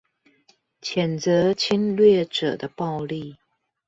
譴責侵略者的暴力